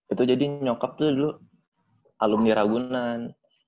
itu jadi nyokap tuh dulu alum di ragunan